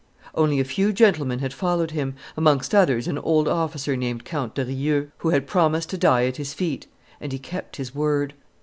Only a few gentlemen had followed him, amongst others an old officer named Count de Rieux, who had promised to die at his feet and he kept his word.